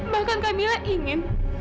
bahkan kamila ingin